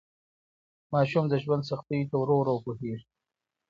ماشوم د ژوند سختیو ته ورو ورو پوهیږي.